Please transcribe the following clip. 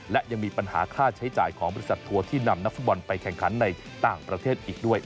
และยังมีปัญหาค่าใช้จ่ายของบริษัททัวร์ที่นำนักฟุตบอลไปแข่งขันในต่างประเทศอีกด้วย